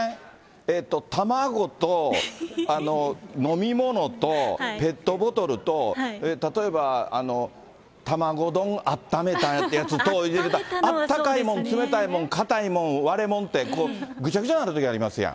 えっと、卵と、飲み物と、ペットボトルと、例えば、たまご丼あっためたやつと入れてたら、あったかいもん、冷たいもん、硬いもん、割れもんって、ぐちゃぐちゃになるとき、ありますやん。